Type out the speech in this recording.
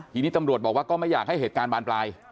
ทีนี้ตำรวจบอกว่าก็ไม่อยากให้เหตุการณ์บานปลาย